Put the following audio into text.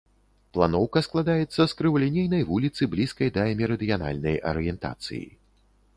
Планоўка складаецца з крывалінейнай вуліцы, блізкай да мерыдыянальнай арыентацыі.